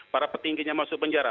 para petingginya masuk penjara